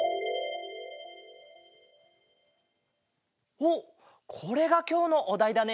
おっこれがきょうのおだいだね？